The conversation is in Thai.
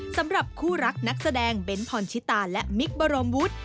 สำหรับคู่รักนักแสดงเบ้นพรชิตาและมิคบรมวุฒิ